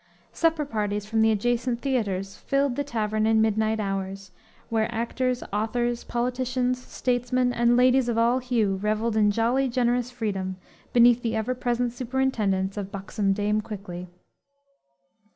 Supper parties from the adjacent theatres filled the tavern in midnight hours, where actors, authors, politicians, statesmen and ladies of all hue, reveled in jolly, generous freedom, beneath the ever present superintendence of buxom Dame Quickly.